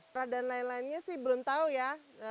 peradaan lain lainnya sih belum tahu ya